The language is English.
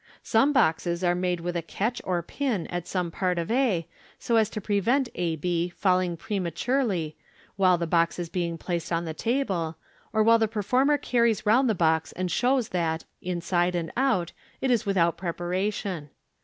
Some boxes are made with a catch or pin at some part of a, so as to prevent a b falling prematurely while the box is being placed on the table, of while the performer carries round the box, and show? that, inside and out, it is without preparation.